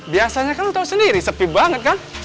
biasanya kan lu tau sendiri sepi banget kan